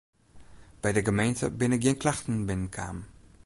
By de gemeente binne gjin klachten binnen kaam.